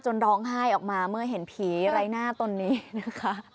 ร้องไห้ออกมาเมื่อเห็นผีไร้หน้าตนนี้นะคะ